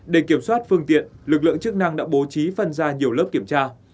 để kiểm soát phương tiện lực lượng chức năng đã bố trí phân ra nhiều lớp kiểm tra